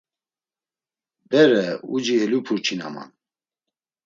Bere uci elupurçinaman.